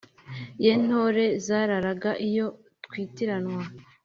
ye ntore zararaga iyo twitiranwa,